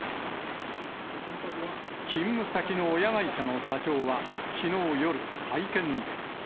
勤務先の親会社の社長はきのう夜、会見で。